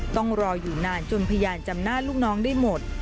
ต้องรออยู่นานจนพยานจำหน้าลูกน้องได้หมด